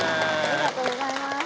ありがとうございます。